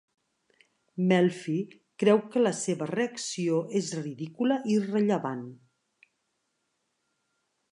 Melfi creu que la seva reacció és ridícula i irrellevant.